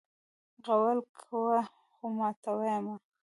قول کوه خو ماتوه یې مه!